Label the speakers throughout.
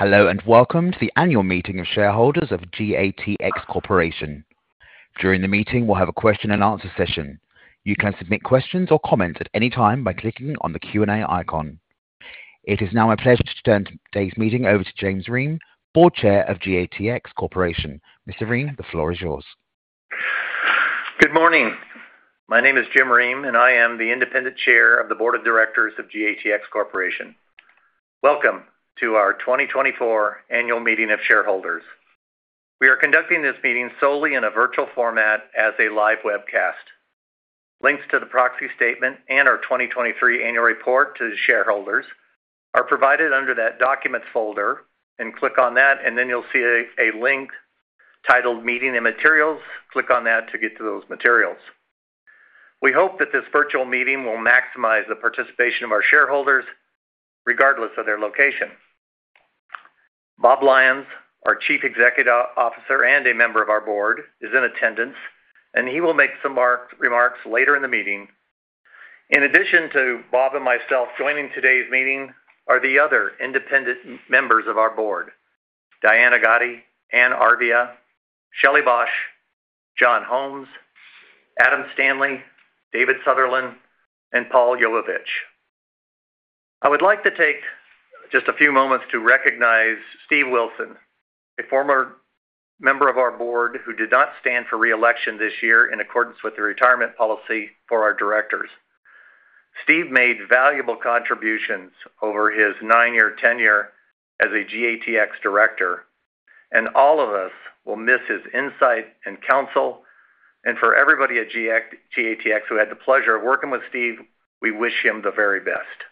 Speaker 1: Hello, and welcome to the annual meeting of shareholders of GATX Corporation. During the meeting, we'll have a question-and-answer session. You can submit questions or comments at any time by clicking on the Q&A icon. It is now my pleasure to turn today's meeting over to James Ream, board chair of GATX Corporation. Mr. Ream, the floor is yours.
Speaker 2: Good morning. My name is Jim Ream, and I am the independent Chair of the Board of Directors of GATX Corporation. Welcome to our 2024 Annual Meeting of Shareholders. We are conducting this meeting solely in a virtual format as a live webcast. Links to the proxy statement and our 2023 annual report to the shareholders are provided under that documents folder, and click on that, and then you'll see a link titled Meeting and Materials. Click on that to get to those materials. We hope that this virtual meeting will maximize the participation of our shareholders, regardless of their location. Bob Lyons, our Chief Executive Officer and a member of our Board, is in attendance, and he will make some marked remarks later in the meeting. In addition to Bob and myself, joining today's meeting are the other independent members of our board, Diane M. Aigotti, Anne L. Arvia, Shelley J. Bausch, John M. Holmes, Adam L. Stanley, David S. Sutherland, and Paul G. Yovovich. I would like to take just a few moments to recognize Stephen R. Wilson, a former member of our board, who did not stand for reelection this year in accordance with the retirement policy for our directors. Steve made valuable contributions over his nine-year tenure as a GATX director, and all of us will miss his insight and counsel. And for everybody at GATX who had the pleasure of working with Steve, we wish him the very best.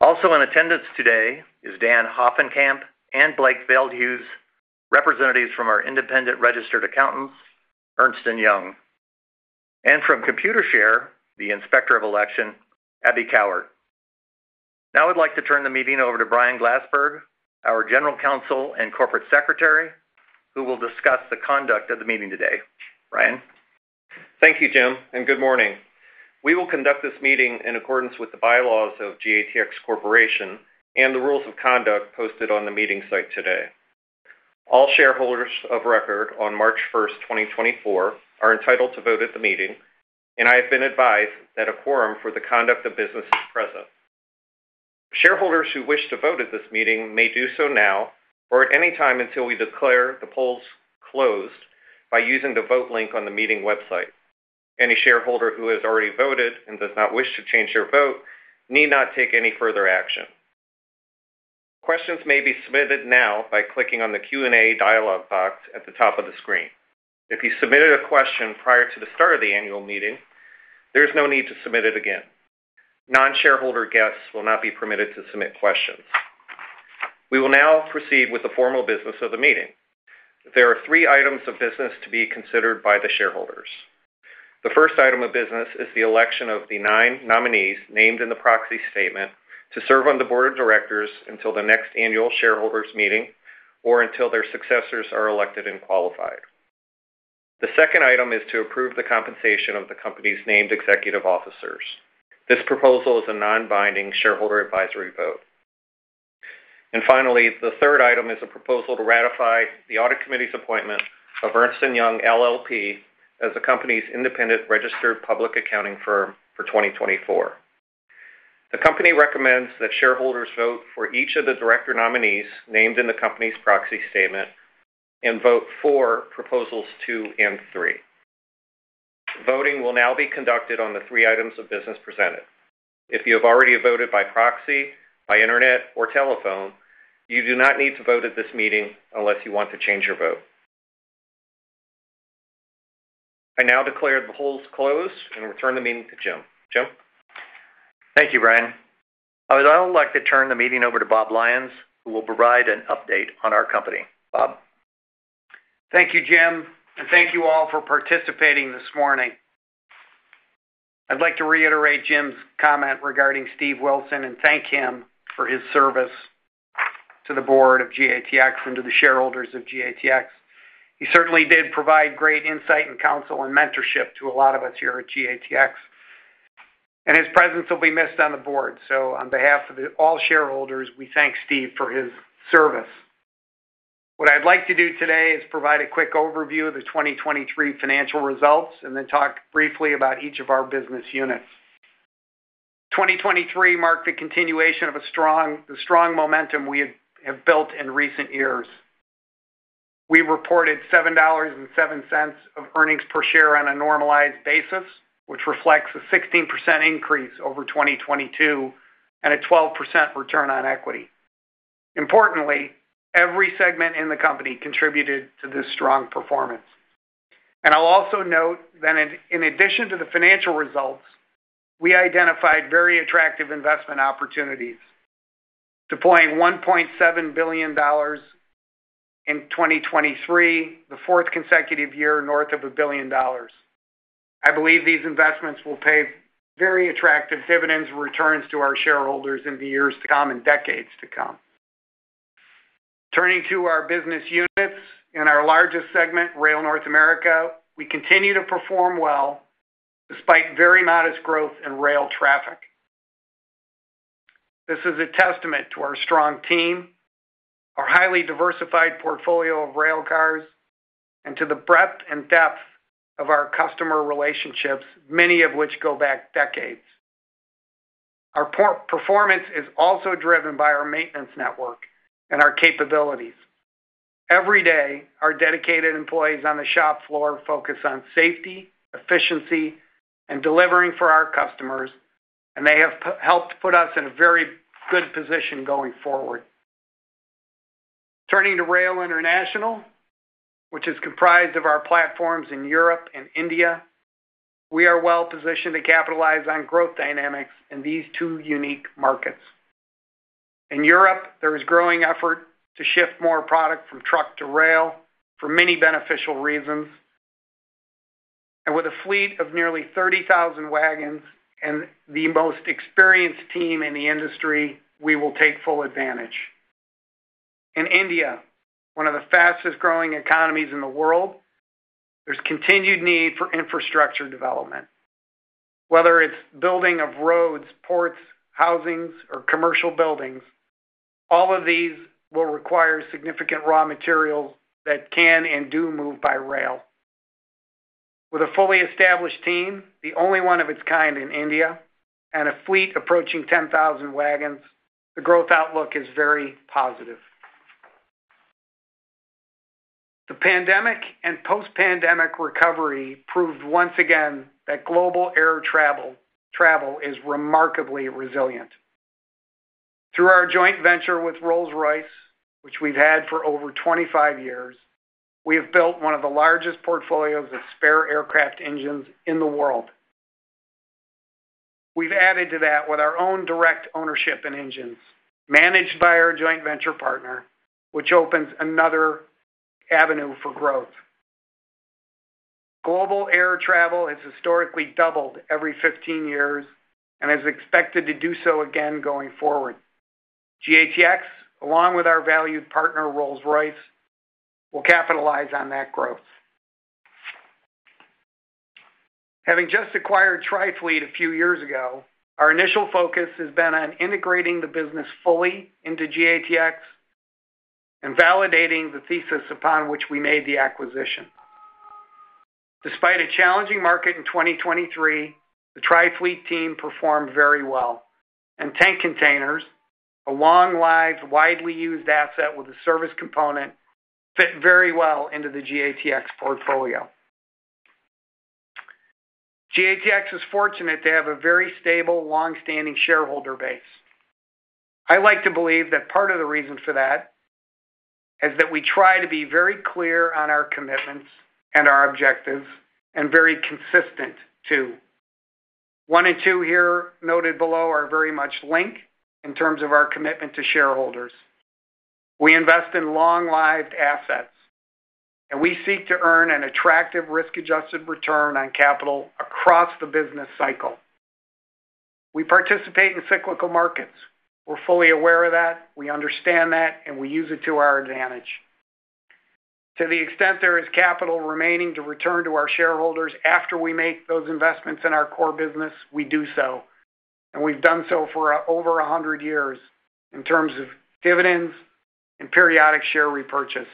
Speaker 2: Also in attendance today is Dan Hoffenkamp and Blake Veldhuis, representatives from our independent registered accountants, Ernst & Young, and from Computershare, the Inspector of Election, Abby Cowart. Now, I'd like to turn the meeting over to Brian Glassberg, our General Counsel and Corporate Secretary, who will discuss the conduct of the meeting today. Brian?
Speaker 3: Thank you, Jim, and good morning. We will conduct this meeting in accordance with the bylaws of GATX Corporation and the rules of conduct posted on the meeting site today. All shareholders of record on March 1, 2024, are entitled to vote at the meeting, and I have been advised that a quorum for the conduct of business is present. Shareholders who wish to vote at this meeting may do so now or at any time until we declare the polls closed by using the vote link on the meeting website. Any shareholder who has already voted and does not wish to change their vote need not take any further action. Questions may be submitted now by clicking on the Q&A dialog box at the top of the screen. If you submitted a question prior to the start of the annual meeting, there's no need to submit it again. Non-shareholder guests will not be permitted to submit questions. We will now proceed with the formal business of the meeting. There are three items of business to be considered by the shareholders. The first item of business is the election of the nine nominees named in the proxy statement to serve on the board of directors until the next annual shareholders meeting or until their successors are elected and qualified. The second item is to approve the compensation of the company's named executive officers. This proposal is a non-binding shareholder advisory vote. And finally, the third item is a proposal to ratify the Audit Committee's appointment of Ernst & Young LLP as the company's independent registered public accounting firm for 2024. The company recommends that shareholders vote for each of the director nominees named in the company's proxy statement and vote for proposals two and three. Voting will now be conducted on the three items of business presented. If you have already voted by proxy, by internet, or telephone, you do not need to vote at this meeting unless you want to change your vote. I now declare the polls closed and return the meeting to Jim. Jim?
Speaker 2: Thank you, Brian. I would now like to turn the meeting over to Bob Lyons, who will provide an update on our company. Bob?
Speaker 4: Thank you, Jim, and thank you all for participating this morning. I'd like to reiterate Jim's comment regarding Steve Wilson and thank him for his service to the board of GATX and to the shareholders of GATX. He certainly did provide great insight and counsel, and mentorship to a lot of us here at GATX, and his presence will be missed on the board. So on behalf of the all shareholders, we thank Steve for his service. What I'd like to do today is provide a quick overview of the 2023 financial results and then talk briefly about each of our business units. 2023 marked the continuation of a strong momentum we have built in recent years. We reported $7.07 earnings per share on a normalized basis, which reflects a 16% increase over 2022 and a 12% return on equity. Importantly, every segment in the company contributed to this strong performance. And I'll also note that in addition to the financial results, we identified very attractive investment opportunities, deploying $1.7 billion in 2023, the fourth consecutive year north of $1 billion. I believe these investments will pay very attractive dividends and returns to our shareholders in the years to come and decades to come. Turning to our business units. In our largest segment, Rail North America, we continue to perform well despite very modest growth in rail traffic. This is a testament to our strong team, our highly diversified portfolio of rail cars, and to the breadth and depth of our customer relationships, many of which go back decades. Our poor performance is also driven by our maintenance network and our capabilities. Every day, our dedicated employees on the shop floor focus on safety, efficiency, and delivering for our customers, and they have helped put us in a very good position going forward. Turning to Rail International, which is comprised of our platforms in Europe and India, we are well-positioned to capitalize on growth dynamics in these two unique markets. In Europe, there is growing effort to shift more product from truck to rail for many beneficial reasons. With a fleet of nearly 30,000 wagons and the most experienced team in the industry, we will take full advantage. In India, one of the fastest-growing economies in the world, there's continued need for infrastructure development. Whether it's building of roads, ports, housings, or commercial buildings, all of these will require significant raw materials that can and do move by rail. With a fully established team, the only one of its kind in India, and a fleet approaching 10,000 wagons, the growth outlook is very positive. The pandemic and post-pandemic recovery proved once again that global air travel is remarkably resilient. Through our joint venture with Rolls-Royce, which we've had for over 25 years, we have built one of the largest portfolios of spare aircraft engines in the world. We've added to that with our own direct ownership and engines, managed by our joint venture partner, which opens another avenue for growth. Global air travel has historically doubled every 15 years and is expected to do so again going forward. GATX, along with our valued partner, Rolls-Royce, will capitalize on that growth. Having just acquired Trifleet a few years ago, our initial focus has been on integrating the business fully into GATX and validating the thesis upon which we made the acquisition. Despite a challenging market in 2023, the Trifleet team performed very well, and tank containers, a long-lived, widely used asset with a service component, fit very well into the GATX portfolio. GATX is fortunate to have a very stable, long-standing shareholder base. I like to believe that part of the reason for that is that we try to be very clear on our commitments and our objectives, and very consistent, too. One and two here, noted below, are very much linked in terms of our commitment to shareholders. We invest in long-lived assets, and we seek to earn an attractive risk-adjusted return on capital across the business cycle. We participate in cyclical markets. We're fully aware of that, we understand that, and we use it to our advantage. To the extent there is capital remaining to return to our shareholders after we make those investments in our core business, we do so, and we've done so for over 100 years in terms of dividends and periodic share repurchase.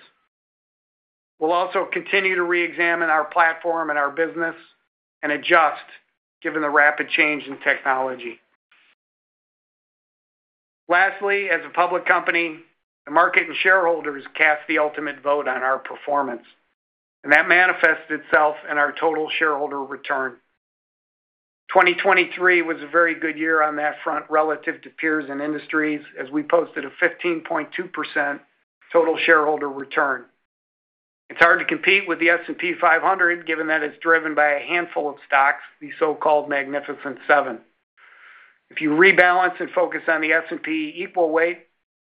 Speaker 4: We'll also continue to reexamine our platform and our business and adjust given the rapid change in technology. Lastly, as a public company, the market and shareholders cast the ultimate vote on our performance, and that manifests itself in our total shareholder return. 2023 was a very good year on that front relative to peers and industries, as we posted a 15.2% total shareholder return. It's hard to compete with the S&P 500, given that it's driven by a handful of stocks, the so-called Magnificent Seven. If you rebalance and focus on the S&P Equal Weight,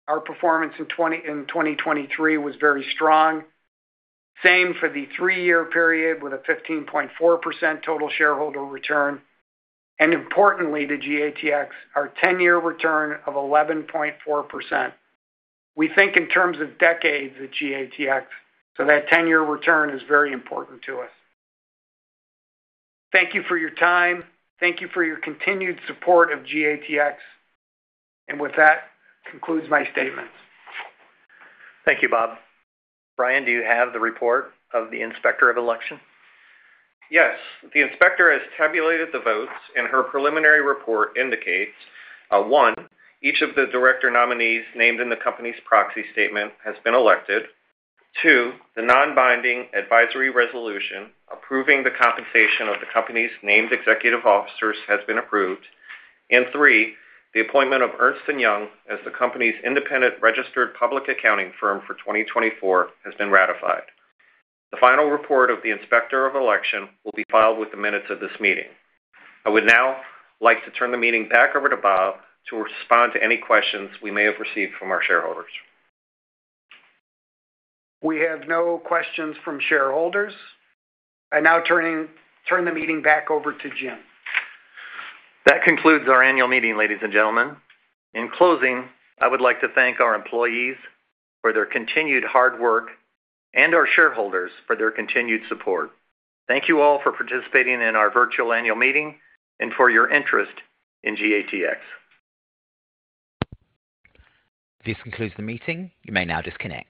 Speaker 4: our performance in 2023 was very strong. Same for the three-year period, with a 15.4% total shareholder return, and importantly to GATX, our ten-year return of 11.4%. We think in terms of decades at GATX, so that 10-year return is very important to us. Thank you for your time. Thank you for your continued support of GATX. With that, concludes my statements.
Speaker 2: Thank you, Bob. Brian, do you have the report of the inspector of election?
Speaker 3: Yes. The inspector has tabulated the votes, and her preliminary report indicates, one, each of the director nominees named in the company's proxy statement has been elected. Two, the non-binding advisory resolution approving the compensation of the company's named executive officers has been approved. And three, the appointment of Ernst & Young as the company's independent registered public accounting firm for 2024 has been ratified. The final report of the inspector of election will be filed with the minutes of this meeting. I would now like to turn the meeting back over to Bob to respond to any questions we may have received from our shareholders.
Speaker 4: We have no questions from shareholders. I now turn the meeting back over to Jim.
Speaker 2: That concludes our annual meeting, ladies and gentlemen. In closing, I would like to thank our employees for their continued hard work and our shareholders for their continued support. Thank you all for participating in our virtual annual meeting and for your interest in GATX.
Speaker 1: This concludes the meeting. You may now disconnect.